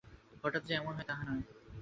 হঠাৎ যে এমন হয়, তাহা নয়।